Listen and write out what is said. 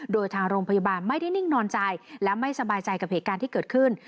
โดยทางโรงพยาบาลไม่ได้นิ่งนอนใจและไม่สบายใจกับเหตุการณ์ที่เกิดขึ้น